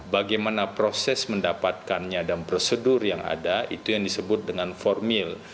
bagaimana proses mendapatkannya dan prosedur yang ada itu yang disebut dengan formil